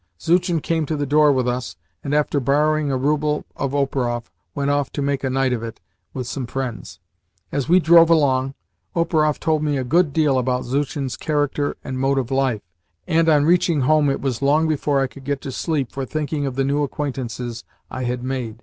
Zuchin came to the door with us, and, after borrowing a rouble of Operoff, went off to make a night of it with some friends. As we drove along, Operoff told me a good deal about Zuchin's character and mode of life, and on reaching home it was long before I could get to sleep for thinking of the new acquaintances I had made.